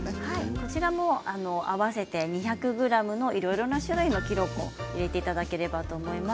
こちら、合わせて２００ｇでいろいろな種類のきのこを入れていただければと思います。